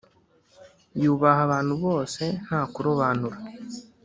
yubaha abantu bose ntakurobanura